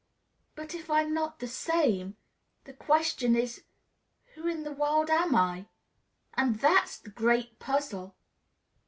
But if I'm not the same, the next question is, 'Who in the world am I?' Ah, that's the great puzzle!"